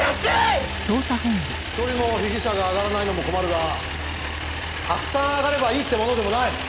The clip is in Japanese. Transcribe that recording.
１人も被疑者が挙がらないのも困るがたくさん挙がればいいってものでもない！